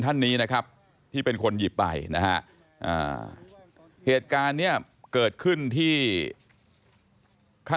แต่ก็กล้ายหยิบนะ